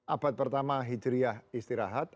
abad pertama hijriah istirahat